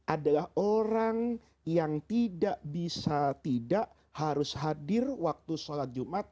adalah orang yang tidak bisa tidak harus hadir waktu sholat jumat